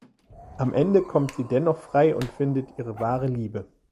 Am Ende kommt sie dennoch frei und findet ihre wahre Liebe.